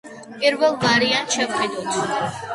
პირველ ვარიანტს შევხედოთ.